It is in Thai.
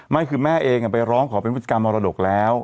ไม่คือแม่เองไปร้องขอเป็นพฤติกรรมมรดกแล้ว